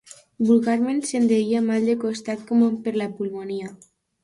Vulgarment se'n deia mal de costat com per a la pulmonia.